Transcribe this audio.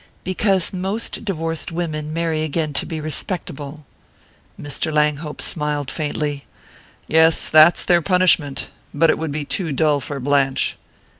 "Because most divorced women marry again to be respectable." Mr. Langhope smiled faintly. "Yes that's their punishment. But it would be too dull for Blanche."